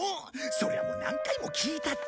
それはもう何回も聞いたって。